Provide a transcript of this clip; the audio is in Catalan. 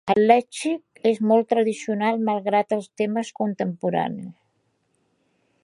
El lèxic és molt tradicional malgrat els temes contemporanis.